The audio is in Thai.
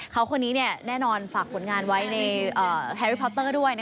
เขาคนนี้แน่นอนฝากผลงานไว้ในแฮริคอปเตอร์ด้วย